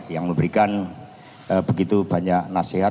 yang memberikan begitu banyak nasihat